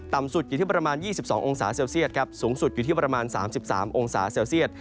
สุดอยู่ที่ประมาณ๒๒องศาเซลเซียตครับสูงสุดอยู่ที่ประมาณ๓๓องศาเซลเซียต